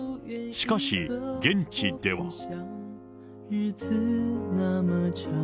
しかし、現地では。